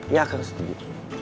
ya aku setuju